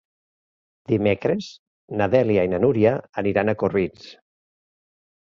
Dimecres na Dèlia i na Núria aniran a Corbins.